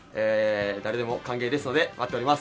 誰でも歓迎ですので待っております。